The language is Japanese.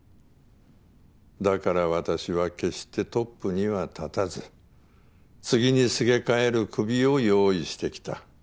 だから私は決してトップには立たず次にすげ替える首を用意してきた。